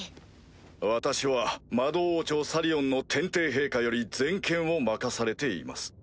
私は魔導王朝サリオンの天帝陛下より全権を任されています。